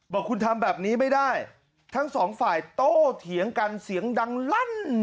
บอกคุณทำแบบนี้ไม่ได้ทั้งสองฝ่ายโตเถียงกันเสียงดังลั่น